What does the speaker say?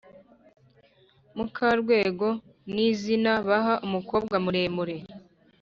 Mukarwego nizina baha umukobwa muremure